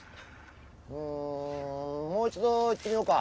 うんもう一度いってみようか。